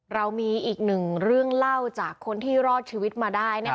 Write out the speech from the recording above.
เรามีอีกหนึ่งเรื่องเล่าจากคนที่รอดชีวิตมาได้